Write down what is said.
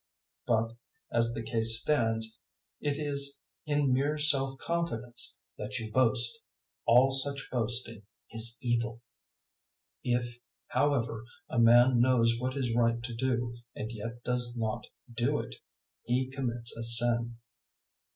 004:016 But, as the case stands, it is in mere self confidence that you boast: all such boasting is evil. 004:017 If, however, a man knows what it is right to do and yet does not do it, he commits a sin.